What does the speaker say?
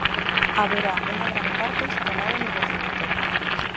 Haberá unha gran carpa instalada no recinto.